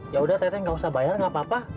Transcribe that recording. yaudah teh teh gak usah bayar gak apa apa